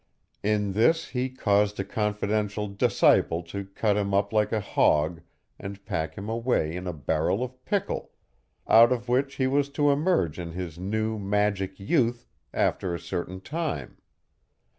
In this he caused a confidential disciple to cut him up like a hog and pack him away in a barrel of pickle, out of which he was to emerge in his new magic youth after a certain time.